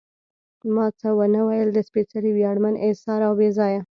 ما څه ونه ویل، د سپېڅلي، ویاړمن، اېثار او بې ځایه.